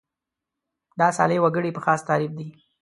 دا صالح وګړي په خاص تعریف دي.